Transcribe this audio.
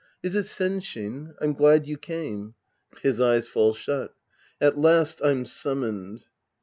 Is it Sensliin? I'm glad you came. {His eyes fall shut.) At last I'm summoned.